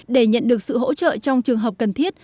để nhận được sự hỗ trợ trong trường hợp cần thiết